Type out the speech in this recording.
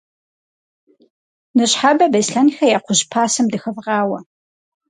Ныщхьэбэ Беслъэнхэ я кхъужь пасэм дыхэвгъауэ.